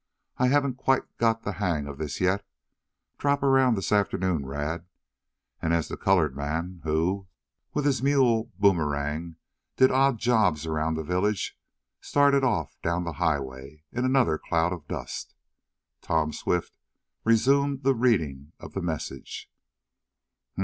"I haven't quite got the hang of this yet. Drop around this afternoon, Rad," and as the colored man, who, with his mule Boomerang, did odd jobs around the village, started off down the highway, in another cloud of dust, Tom Swift resumed the reading of the message.